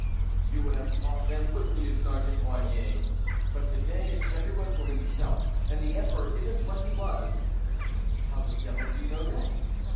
"You would have taught them, wouldn't you, Sergeant Boignet? But to day it's everyone for himself, And the Emperor isn't what he was." "How the Devil do you know that?